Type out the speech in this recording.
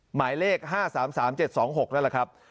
หมายเลข๕๓๓๗๒๖นั่นแหละครับ